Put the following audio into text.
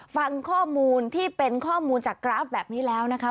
ฟังข้อมูลที่เป็นข้อมูลจากกราฟแบบนี้แล้วนะคะ